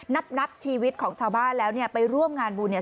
นับนับชีวิตของชาวบ้านแล้วเนี่ยไปร่วมงานบุญเนี่ย